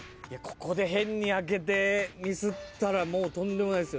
ここで変に開けてミスったらもうとんでもないですよね。